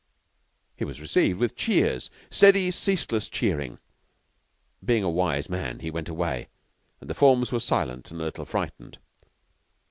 He was received with cheers steady, ceaseless cheering. Being a wise man, he went away, and the forms were silent and a little frightened.